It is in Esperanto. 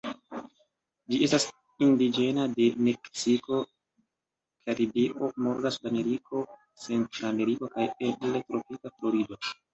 Ĝi estas indiĝena de Meksiko, Karibio, norda Sudameriko, Centrameriko kaj eble tropika Florido.